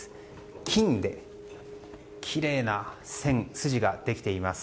金できれいな線、筋ができています。